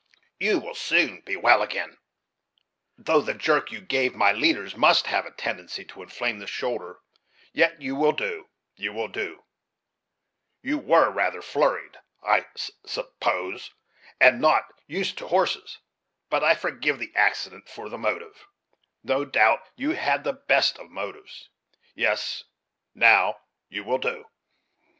You will soon be well again; though the jerk you gave my leaders must have a tendency to inflame the shoulder, yet you will do, you will do, You were rather flurried, I suppose, and not used to horses; but I forgive the accident for the motive; no doubt you had the best of motives; yes, now you will do."